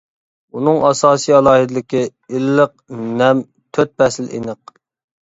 ئۇنىڭ ئاساسىي ئالاھىدىلىكى : ئىللىق، نەم، تۆت پەسىل ئېنىق.